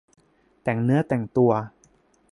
แต่งเนื้อแต่งตัว